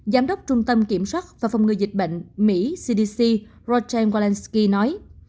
giám đốc trung tâm kiểm soát và phòng ngừa dịch bệnh mỹ cdc roger walensky nói